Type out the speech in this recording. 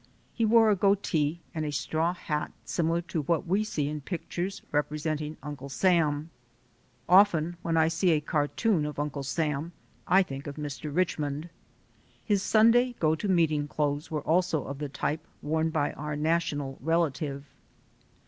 He wore a goatee and a straw hat similar to what we see in pictures repre senting Uncle Sam. Often when I see a cartoon of Uncle Sam I think of Mr. Richmond. His Sunday go to meeting clothes were also of the type worn by our national relative.